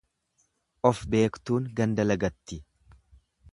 Of beektuun ganda lagatti.